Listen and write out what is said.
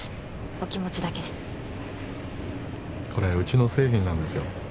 お気持ちだけでこれうちの製品なんですよ